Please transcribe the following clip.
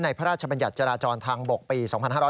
พระราชบัญญัติจราจรทางบกปี๒๕๕๙